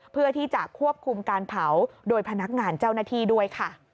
เพื่อที่จะควบคุมการเผาโดยพนักงานเจ้าหน้าที่ด้วยค่ะ